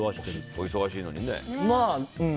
お忙しいのにね。